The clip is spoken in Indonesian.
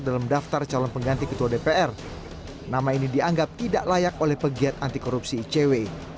dalam daftar calon pengganti ketua dpr nama ini dianggap tidak layak oleh pegiat anti korupsi icw